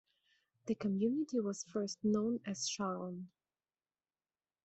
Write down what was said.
The community was first known as Sharon.